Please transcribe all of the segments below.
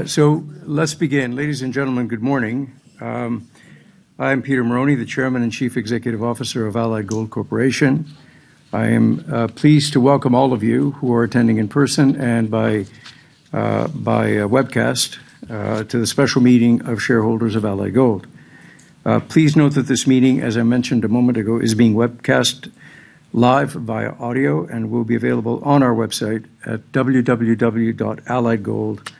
Let's begin. Ladies and gentlemen, good morning. I'm Peter Marrone, the Chairman and Chief Executive Officer of Allied Gold Corporation. I am pleased to welcome all of you who are attending in person and by webcast to the Special Meeting of Shareholders of Allied Gold. Please note that this meeting, as I mentioned a moment ago, is being webcast live via audio and will be available on our website at www.alliedgold.com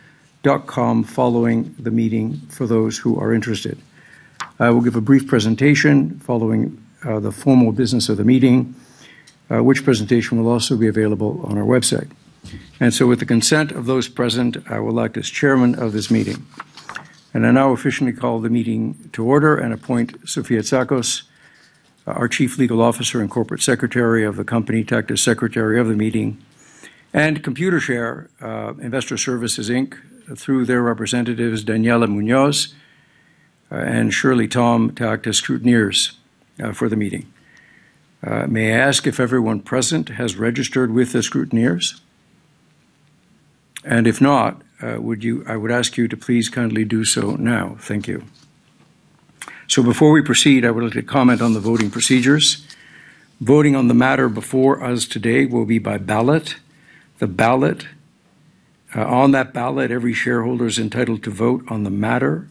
following the meeting for those who are interested. I will give a brief presentation following the formal business of the meeting, which presentation will also be available on our website. With the consent of those present, I will act as chairman of this meeting. I now officially call the meeting to order and appoint Sofia Tsakos, our Chief Legal Officer and Corporate Secretary of the company, to act as secretary of the meeting. Computershare Investor Services Inc., through their representatives, Daniela Munoz and Shirley Tom, to act as scrutineers for the meeting. May I ask if everyone present has registered with the scrutineers? If not, I would ask you to please kindly do so now. Thank you. Before we proceed, I would like to comment on the voting procedures. Voting on the matter before us today will be by ballot. The ballot. On that ballot, every shareholder is entitled to vote on the matter,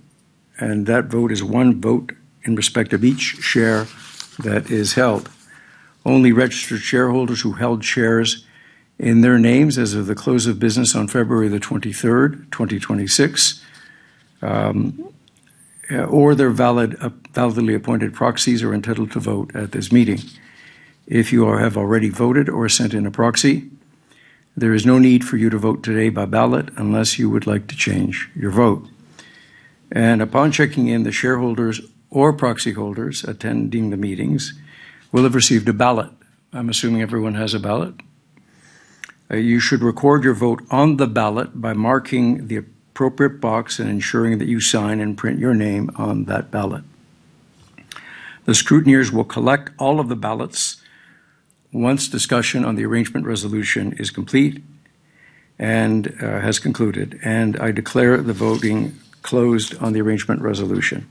and that vote is one vote in respect of each share that is held. Only registered shareholders who held shares in their names as of the close of business on February 23rd, 2026, or their validly appointed proxies are entitled to vote at this meeting. If you all have already voted or sent in a proxy, there is no need for you to vote today by ballot unless you would like to change your vote. Upon checking in, the shareholders or proxy holders attending the meetings will have received a ballot. I'm assuming everyone has a ballot. You should record your vote on the ballot by marking the appropriate box and ensuring that you sign and print your name on that ballot. The scrutineers will collect all of the ballots once discussion on the arrangement resolution is complete and has concluded, and I declare the voting closed on the arrangement resolution.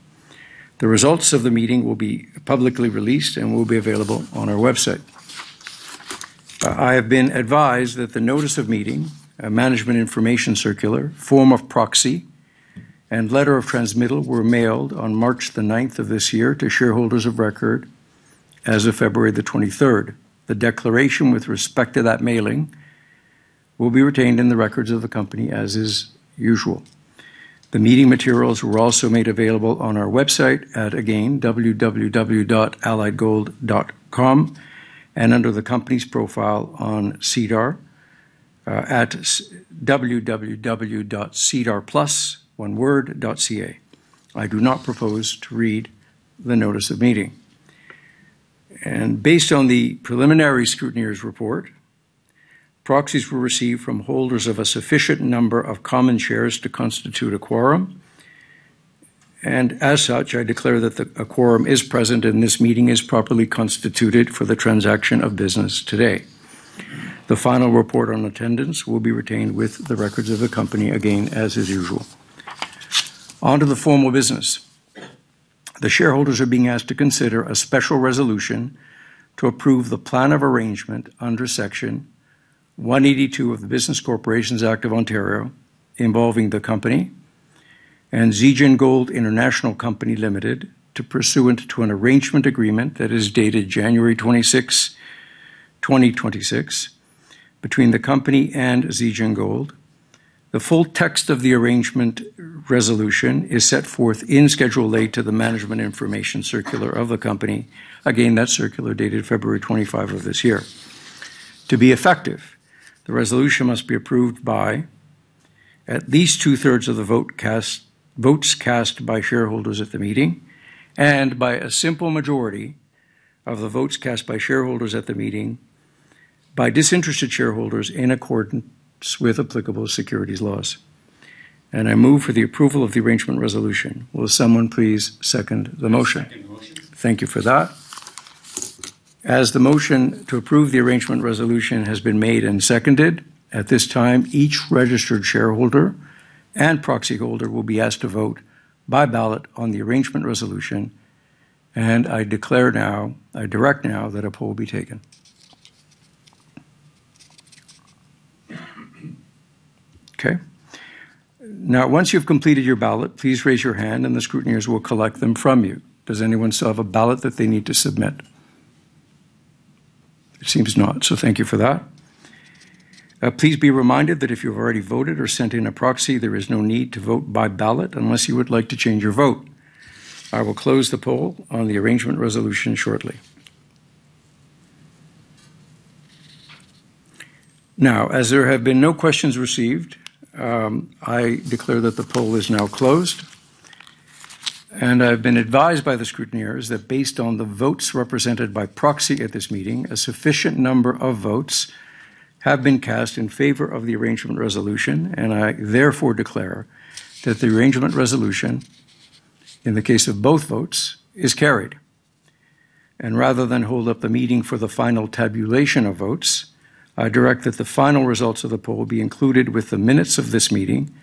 The results of the meeting will be publicly released and will be available on our website. I have been advised that the notice of meeting, a management information circular, form of proxy, and letter of transmittal were mailed on March 9th of this year to shareholders of record as of February 23rd. The declaration with respect to that mailing will be retained in the records of the company, as is usual. The meeting materials were also made available on our website at, again, www.alliedgold.com and under the company's profile on SEDAR at www.sedarplus, one word, .ca. I do not propose to read the notice of meeting. Based on the preliminary scrutineer's report, proxies were received from holders of a sufficient number of common shares to constitute a quorum, and as such, I declare that a quorum is present and this meeting is properly constituted for the transaction of business today. The final report on attendance will be retained with the records of the company, again, as is usual. On to the formal business. The shareholders are being asked to consider a special resolution to approve the plan of arrangement under Section 182 of the Business Corporations Act of Ontario involving the company and Zijin Gold International Company Limited pursuant to an arrangement agreement that is dated January 26, 2026 between the company and Zijin Gold. The full text of the arrangement resolution is set forth in Schedule A to the management information circular of the company. Again, that's circular dated February 25 of this year. To be effective, the resolution must be approved by at least two-thirds of the votes cast by shareholders at the meeting and by a simple majority of the votes cast by shareholders at the meeting by disinterested shareholders in accordance with applicable securities laws. I move for the approval of the arrangement resolution. Will someone please second the motion? I second the motion. Thank you for that. As the motion to approve the arrangement resolution has been made and seconded, at this time, each registered shareholder and proxyholder will be asked to vote by ballot on the arrangement resolution, and I direct now that a poll be taken. Okay. Now, once you've completed your ballot, please raise your hand and the scrutineers will collect them from you. Does anyone still have a ballot that they need to submit? It seems not, so thank you for that. Please be reminded that if you've already voted or sent in a proxy, there is no need to vote by ballot unless you would like to change your vote. I will close the poll on the arrangement resolution shortly. Now, as there have been no questions received, I declare that the poll is now closed. I've been advised by the scrutineers that based on the votes represented by proxy at this meeting, a sufficient number of votes have been cast in favor of the arrangement resolution, and I therefore declare that the arrangement resolution in the case of both votes is carried. Rather than hold up the meeting for the final tabulation of votes, I direct that the final results of the poll be included with the minutes of this meeting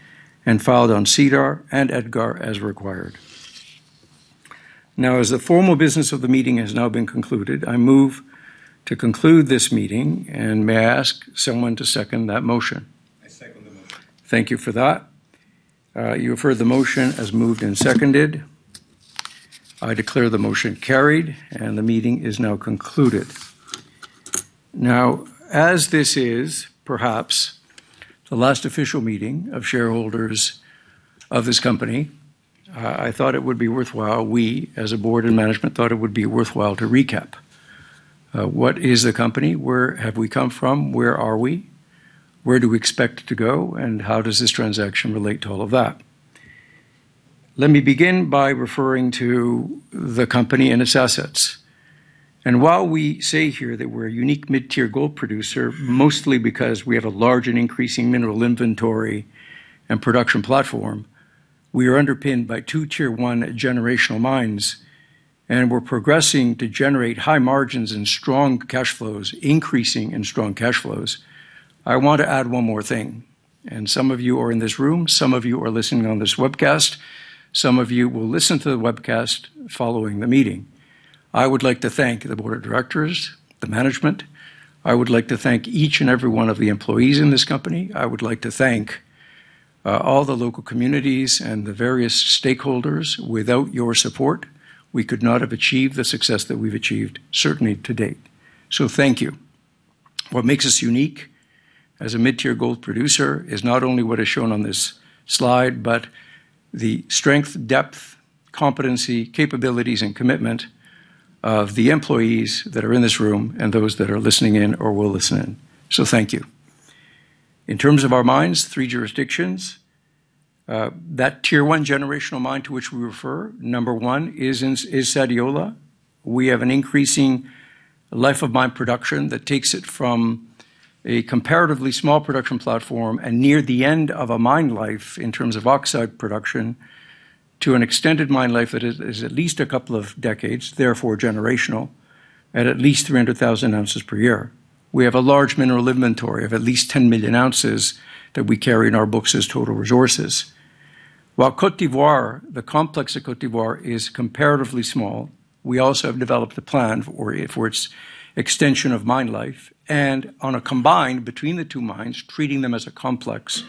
and filed on SEDAR and EDGAR as required. Now, as the formal business of the meeting has now been concluded, I move to conclude this meeting and may I ask someone to second that motion? I second the motion. Thank you for that. You have heard the motion as moved and seconded. I declare the motion carried, and the meeting is now concluded. Now, as this is perhaps the last official meeting of shareholders of this company, I thought it would be worthwhile, we, as a board and management, thought it would be worthwhile to recap. What is the company? Where have we come from? Where are we? Where do we expect it to go, and how does this transaction relate to all of that? Let me begin by referring to the company and its assets. While we say here that we're a unique mid-tier gold producer, mostly because we have a large and increasing mineral inventory and production platform, we are underpinned by two Tier One generational mines, and we're progressing to generate high margins and strong cash flows, increasing in strong cash flows. I want to add one more thing, and some of you are in this room, some of you are listening on this webcast, some of you will listen to the webcast following the meeting. I would like to thank the board of directors, the management. I would like to thank each and every one of the employees in this company. I would like to thank all the local communities and the various stakeholders. Without your support, we could not have achieved the success that we've achieved, certainly to date. Thank you. What makes us unique as a mid-tier gold producer is not only what is shown on this slide, but the strength, depth, competency, capabilities, and commitment of the employees that are in this room and those that are listening in or will listen in. Thank you. In terms of our mines, three jurisdictions. That Tier One generational mine to which we refer, number one is Sadiola. We have an increasing life of mine production that takes it from a comparatively small production platform and near the end of a mine life in terms of oxide production to an extended mine life that is at least a couple of decades, therefore generational, at least 300,000 ounces per year. We have a large mineral inventory of at least 10 million ounces that we carry in our books as total resources. While Côte d'Ivoire, the complex at Côte d'Ivoire is comparatively small, we also have developed a plan for its extension of mine life and on a combined between the two mines, treating them as a complex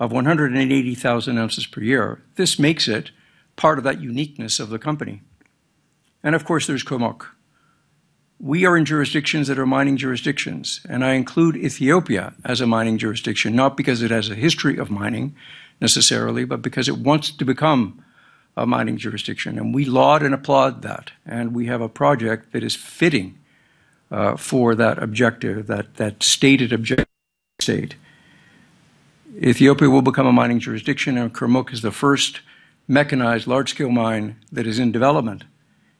of 180,000 ounces per year. This makes it part of that uniqueness of the company. Of course, there's Kurmuk. We are in jurisdictions that are mining jurisdictions, and I include Ethiopia as a mining jurisdiction, not because it has a history of mining necessarily, but because it wants to become a mining jurisdiction. We laud and applaud that, and we have a project that is fitting for that objective, that stated objective Ethiopia will become a mining jurisdiction, and Kurmuk is the first mechanized large-scale mine that is in development.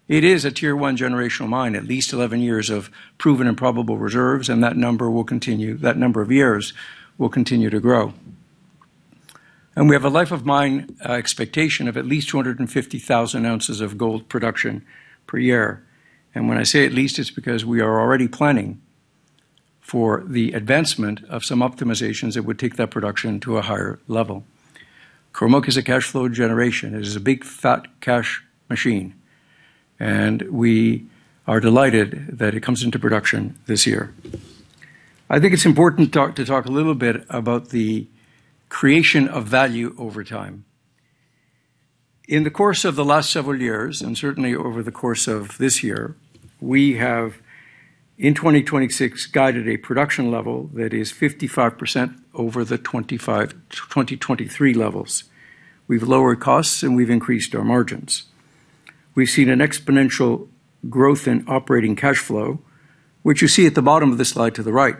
It is a Tier One generational mine, at least 11 years of proven and probable reserves, and that number will continue. That number of years will continue to grow. We have a life of mine expectation of at least 250,000 ounces of gold production per year. When I say at least, it's because we are already planning for the advancement of some optimizations that would take that production to a higher level. Kurmuk is a cash flow generation. It is a big, fat cash machine, and we are delighted that it comes into production this year. I think it's important to talk a little bit about the creation of value over time. In the course of the last several years, and certainly over the course of this year, we have in 2026 guided a production level that is 55% over the 2023 levels. We've lowered costs, and we've increased our margins. We've seen an exponential growth in operating cash flow, which you see at the bottom of the slide to the right.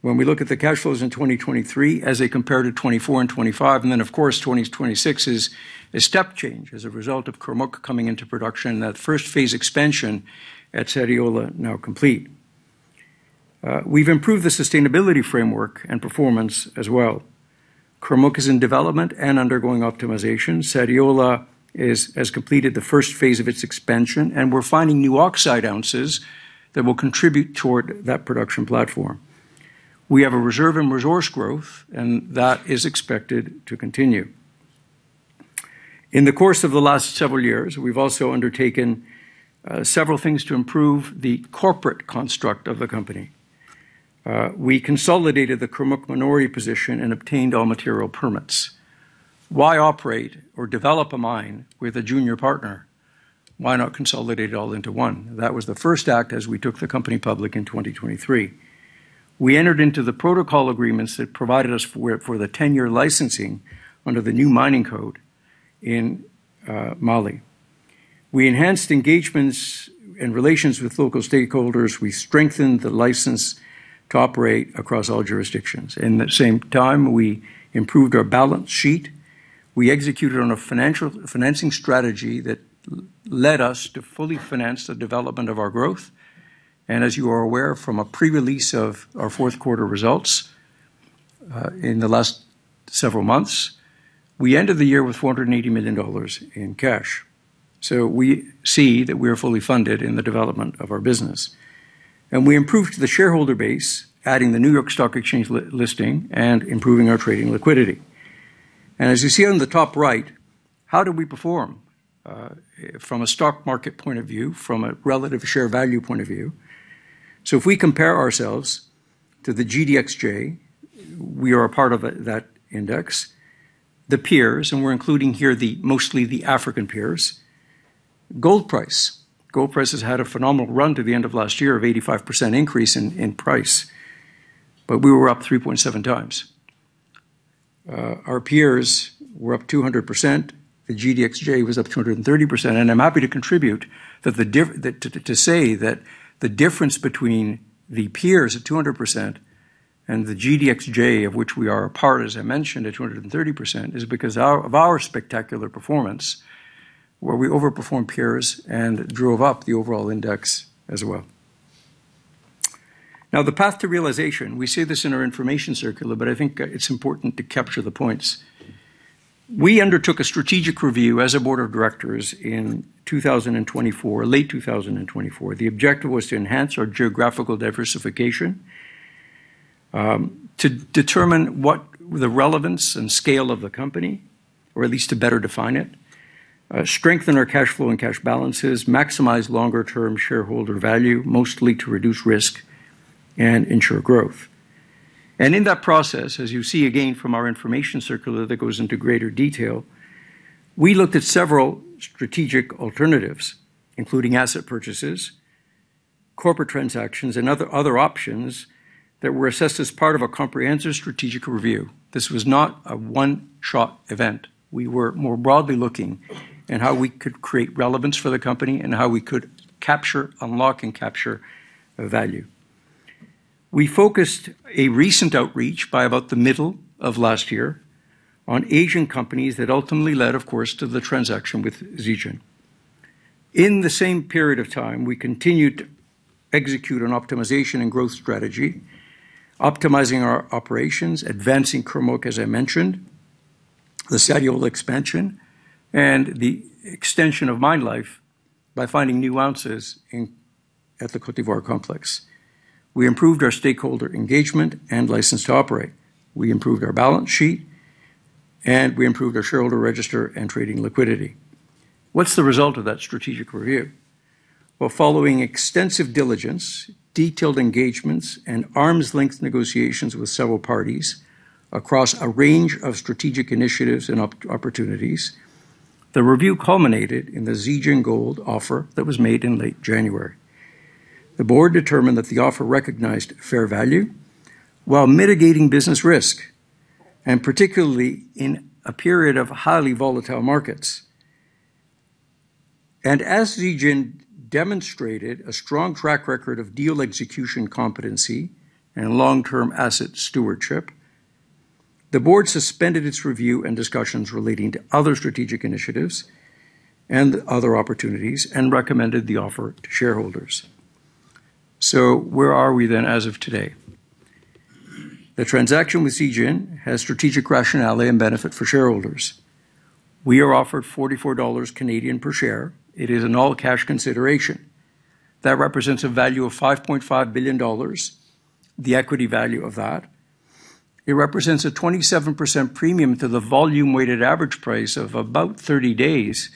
When we look at the cash flows in 2023 as they compare to 2024 and 2025, and then of course, 2026 is a step change as a result of Kurmuk coming into production, that first phase expansion at Sadiola now complete. We've improved the sustainability framework and performance as well. Kurmuk is in development and undergoing optimization. Sadiola has completed the first phase of its expansion, and we're finding new oxide ounces that will contribute toward that production platform. We have a reserve and resource growth, and that is expected to continue. In the course of the last several years, we've also undertaken several things to improve the corporate construct of the company. We consolidated the Kurmuk minority position and obtained all material permits. Why operate or develop a mine with a junior partner? Why not consolidate it all into one? That was the first act as we took the company public in 2023. We entered into the protocol agreements that provided us with the 10-year licensing under the new mining code in Mali. We enhanced engagements and relations with local stakeholders. We strengthened the license to operate across all jurisdictions. In the same time, we improved our balance sheet. We executed on a financing strategy that led us to fully finance the development of our growth. As you are aware from a pre-release of our fourth quarter results, in the last several months, we ended the year with $480 million in cash. We see that we are fully funded in the development of our business. We improved the shareholder base, adding the New York Stock Exchange listing and improving our trading liquidity. As you see on the top right, how did we perform from a stock market point of view, from a relative share value point of view? If we compare ourselves to the GDXJ, we are a part of that index, the peers, and we're including here mostly the African peers. Gold price has had a phenomenal run to the end of last year of 85% increase in price, but we were up 3.7 times. Our peers were up 200%. The GDXJ was up 230%, and I'm happy to contribute that the diff... That's to say that the difference between the peers at 200% and the GDXJ, of which we are a part, as I mentioned, at 230%, is because of our spectacular performance where we overperformed peers and drove up the overall index as well. Now, the path to realization, we say this in our information circular, but I think, it's important to capture the points. We undertook a strategic review as a board of directors in 2024, late 2024. The objective was to enhance our geographical diversification, to determine what the relevance and scale of the company, or at least to better define it, strengthen our cash flow and cash balances, maximize longer-term shareholder value, mostly to reduce risk and ensure growth. In that process, as you see again from our information circular that goes into greater detail, we looked at several strategic alternatives, including asset purchases, corporate transactions, and other options that were assessed as part of a comprehensive strategic review. This was not a one-shop event. We were more broadly looking into how we could create relevance for the company and how we could capture, unlock, and capture value. We focused a recent outreach by about the middle of last year on Asian companies that ultimately led, of course, to the transaction with Zijin. In the same period of time, we continued to execute an optimization and growth strategy, optimizing our operations, advancing Kurmuk, as I mentioned, the Sadiola expansion, and the extension of mine life by finding new ounces in, at the Côte d'Ivoire complex. We improved our stakeholder engagement and license to operate. We improved our balance sheet, and we improved our shareholder register and trading liquidity. What's the result of that strategic review? Well, following extensive diligence, detailed engagements, and arm's-length negotiations with several parties across a range of strategic initiatives and opportunities, the review culminated in the Zijin Gold offer that was made in late January. The board determined that the offer recognized fair value while mitigating business risk, and particularly in a period of highly volatile markets. As Zijin demonstrated a strong track record of deal execution competency and long-term asset stewardship, the board suspended its review and discussions relating to other strategic initiatives and other opportunities and recommended the offer to shareholders. Where are we then as of today? The transaction with Zijin has strategic rationale and benefit for shareholders. We are offered 44 Canadian dollars per share. It is an all-cash consideration that represents a value of $5.5 billion, the equity value of that. It represents a 27% premium to the volume-weighted average price of about 30 days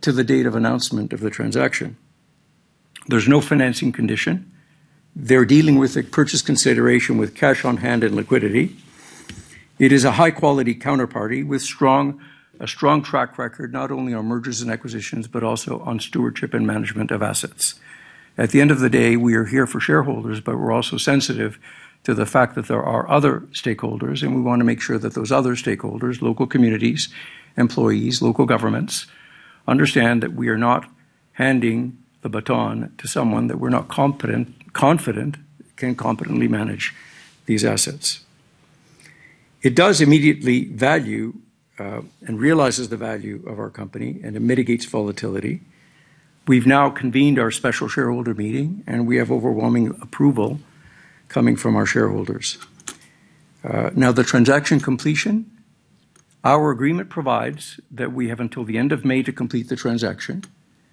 to the date of announcement of the transaction. There's no financing condition. They're dealing with a purchase consideration with cash on hand and liquidity. It is a high-quality counterparty with a strong track record, not only on mergers and acquisitions, but also on stewardship and management of assets. At the end of the day, we are here for shareholders, but we're also sensitive to the fact that there are other stakeholders, and we want to make sure that those other stakeholders, local communities, employees, local governments, understand that we are not handing the baton to someone that we're not confident can competently manage these assets. It does immediately value, and realizes the value of our company, and it mitigates volatility. We've now convened our special shareholder meeting, and we have overwhelming approval coming from our shareholders. Now the transaction completion, our agreement provides that we have until the end of May to complete the transaction,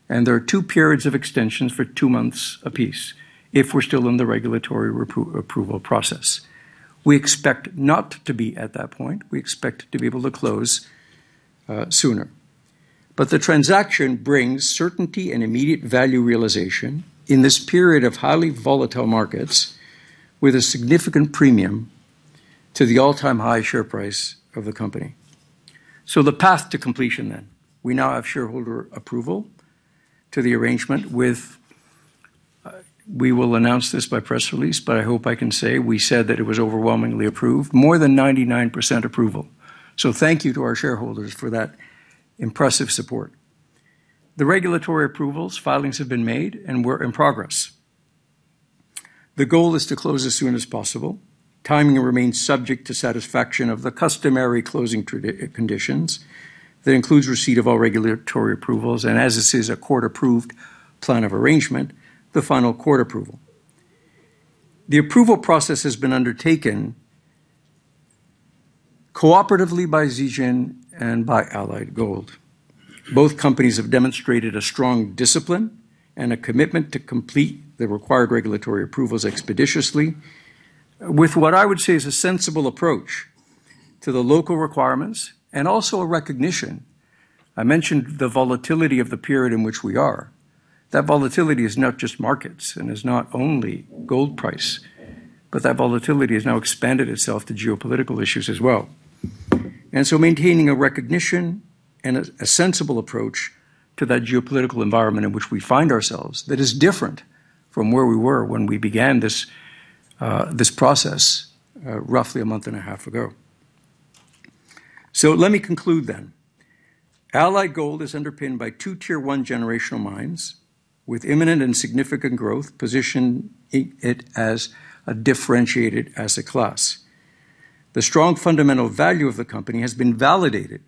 and there are two periods of extensions for two months apiece if we're still in the regulatory approval process. We expect not to be at that point. We expect to be able to close sooner. The transaction brings certainty and immediate value realization in this period of highly volatile markets with a significant premium to the all-time high share price of the company. The path to completion then. We now have shareholder approval to the arrangement with, we will announce this by press release, but I hope I can say we said that it was overwhelmingly approved, more than 99% approval. Thank you to our shareholders for that impressive support. The regulatory approvals filings have been made and we're in progress. The goal is to close as soon as possible. Timing remains subject to satisfaction of the customary closing conditions. That includes receipt of all regulatory approvals and as this is a court approved plan of arrangement, the final court approval. The approval process has been undertaken cooperatively by Zijin and by Allied Gold. Both companies have demonstrated a strong discipline and a commitment to complete the required regulatory approvals expeditiously with what I would say is a sensible approach to the local requirements and also a recognition. I mentioned the volatility of the period in which we are. That volatility is not just markets and is not only gold price, but that volatility has now expanded itself to geopolitical issues as well. Maintaining a recognition and a sensible approach to that geopolitical environment in which we find ourselves that is different from where we were when we began this process, roughly a month and a half ago. Let me conclude then. Allied Gold is underpinned by two Tier one generational mines with imminent and significant growth, positioning it as a differentiated asset class. The strong fundamental value of the company has been validated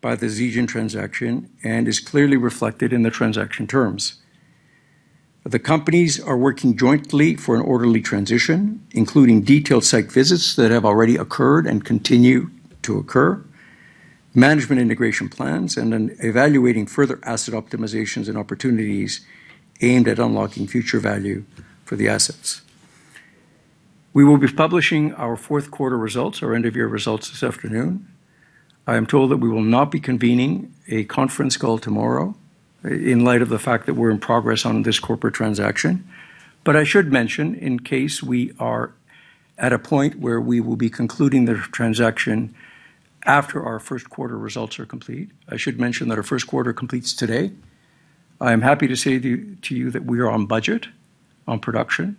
by the Zijin transaction and is clearly reflected in the transaction terms. The companies are working jointly for an orderly transition, including detailed site visits that have already occurred and continue to occur, management integration plans, and then evaluating further asset optimizations and opportunities aimed at unlocking future value for the assets. We will be publishing our fourth quarter results, our end of year results this afternoon. I am told that we will not be convening a conference call tomorrow in light of the fact that we're in progress on this corporate transaction. I should mention in case we are at a point where we will be concluding the transaction after our first quarter results are complete, I should mention that our first quarter completes today. I am happy to say to you that we are on budget on production.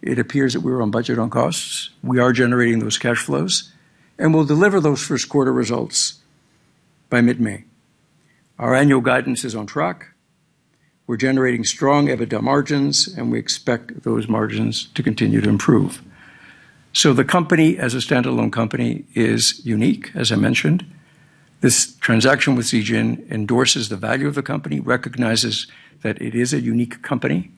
It appears that we're on budget on costs. We are generating those cash flows, and we'll deliver those first quarter results by mid-May. Our annual guidance is on track. We're generating strong EBITDA margins, and we expect those margins to continue to improve. The company as a standalone company is unique, as I mentioned. This transaction with Zijin endorses the value of the company, recognizes that it is a unique company.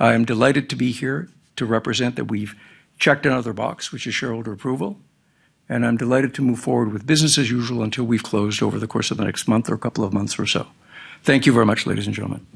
I am delighted to be here to represent that we've checked another box, which is shareholder approval, and I'm delighted to move forward with business as usual until we've closed over the course of the next month or couple of months or so. Thank you very much, ladies and gentlemen.